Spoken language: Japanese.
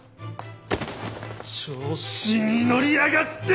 調子に乗りやがって！